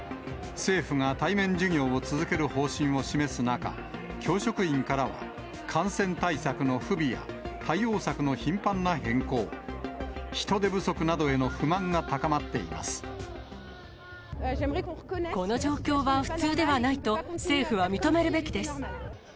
政府が対面授業を続ける方針を示す中、教職員からは感染対策の不備や対応策の頻繁な変更、人手不この状況は普通ではないと、政府は認めるべきです。